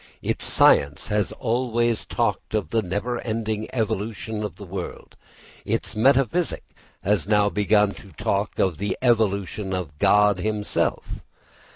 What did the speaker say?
Its science has always talked of the never ending evolution of the world. Its metaphysic has now begun to talk of the evolution of God himself.